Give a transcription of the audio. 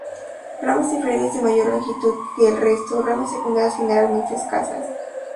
Ramas inferiores de mayor longitud que el resto; ramas secundarias generalmente escasas.